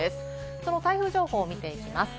その台風情報を見ていきます。